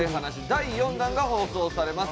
第４弾が放送されます。